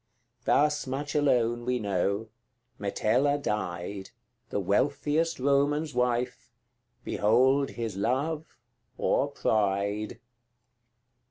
Thus much alone we know Metella died, The wealthiest Roman's wife: Behold his love or pride!